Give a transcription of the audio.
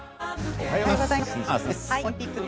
おはようございます。